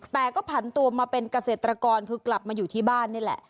แต่ก็ผันตัวมาเป็นเกษตรกรคือกลับมาอยู่ที่บ้านนี่แหละ